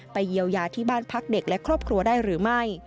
เยียวยาที่บ้านพักเด็กและครอบครัวได้หรือไม่